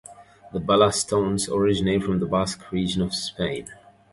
The ballast stones originate from the Basque region of Spain.